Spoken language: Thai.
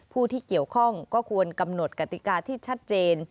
ผู้ที่เกี่ยวข้องก็ควรกำหนดกติกาที่ชัดเจน